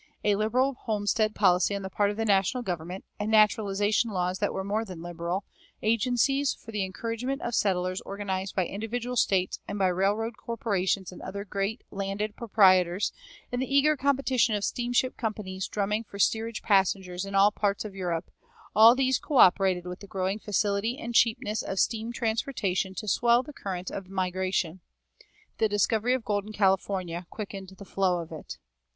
A liberal homestead policy on the part of the national government, and naturalization laws that were more than liberal, agencies for the encouragement of settlers organized by individual States and by railroad corporations and other great landed proprietors, and the eager competition of steamship companies drumming for steerage passengers in all parts of Europe all these coöperated with the growing facility and cheapness of steam transportation to swell the current of migration. The discovery of gold in California quickened the flow of it.